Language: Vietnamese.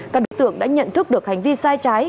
các đối tượng đã nhận thức được hành vi sai trái